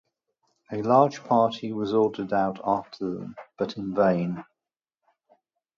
A large party was ordered out after them, but in vain.